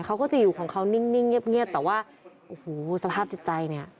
เขาก็จะอยู่ของเขานิ่งเงียบแต่ว่าโอ้โหสภาพจิตใจเนี่ย